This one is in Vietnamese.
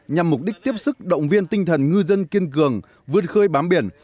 nhằm mục đích tiếp sức động viên tinh thần ngư dân kiên cường vượt khơi bám biển